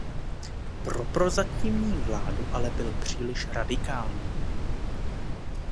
Pro Prozatímní vládu ale byl příliš radikální.